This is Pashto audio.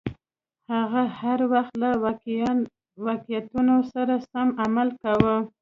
هغه هر وخت له واقعیتونو سره سم عمل کاوه.